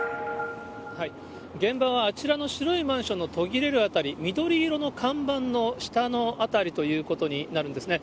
現場はあちらの白いマンションの途切れる辺り、緑色の看板の下の辺りということになるんですね。